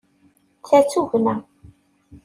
Ta d tugna.